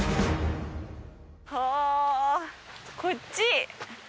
はぁこっち？